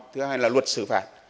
thứ hai là luật xử phạt